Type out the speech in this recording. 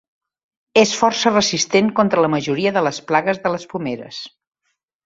És força resistent contra la majoria de les plagues de les pomeres.